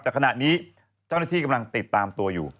แต่ขณะนี้เจ้าหน้าที่กำลังติดตามตัวอยู่